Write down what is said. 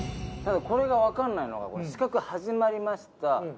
ただこれが分かんないのが四角始まりました